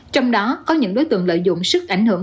trong đó có những đối tượng lợi dụng sức ảnh hưởng